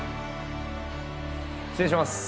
失礼します！